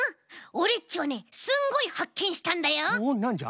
オレっちはねすんごいはっけんしたんだよ。おっなんじゃ？